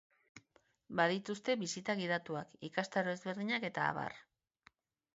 Badituzte bisita gidatuak, ikastaro ezberdinak eta abar.